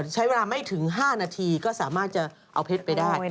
ใช้เวลาไม่ถึง๕นาทีก็สามารถจะเอาเพชรไปได้